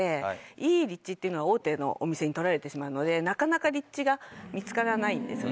いい立地っていうのは大手のお店に取られてしまうのでなかなか立地が見つからないんですよね。